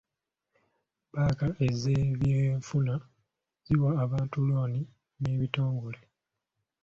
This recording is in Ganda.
Bbanka ez'ebyenfuna ziwa abantu looni n'ebitongole.